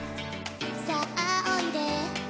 「さあおいで」